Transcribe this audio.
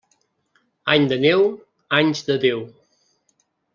Any de neu, anys de Déu.